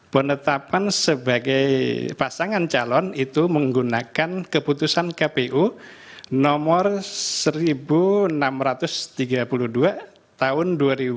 penetapan sebagai pasangan calon itu menggunakan keputusan kpu nomor seribu enam ratus tiga puluh dua tahun dua ribu dua puluh